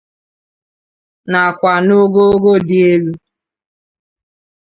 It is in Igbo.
nawka n'ogoogo dị elu.